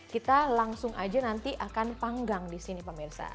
kita langsung aja nanti akan panggang disini pemirsa